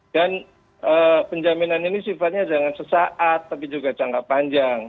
dan penjaminan ini sifatnya jangan sesaat tapi juga jangan panjang